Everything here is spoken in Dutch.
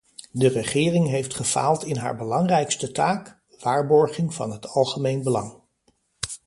De regering heeft gefaald in haar belangrijkste taak: waarborging van het algemeen belang.